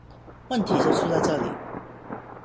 問題就出在這裡